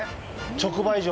直売所。